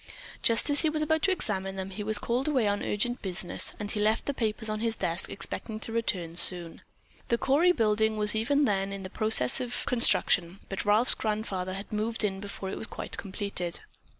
Just as he was about to examine them, he was called away on urgent business and he left the papers on his desk, expecting to return soon. The Cory building was even then in the process of construction, but Ralph's grandfather had moved in before it was quite completed.